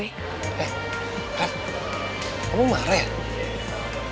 eh kamu marah ya